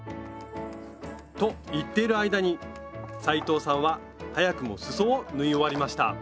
と言っている間に斉藤さんは早くもすそを縫い終わりました